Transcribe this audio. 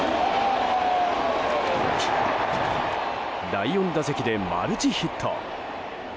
第４打席でマルチヒット。